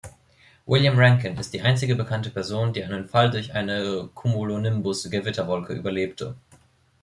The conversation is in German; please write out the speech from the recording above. William Rankin ist die einzige bekannte Person, die einen Fall durch eine Cumulonimbus-Gewitterwolke überlebte.